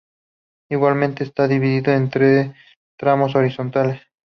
Igualmente está dividida en tres tramos horizontales.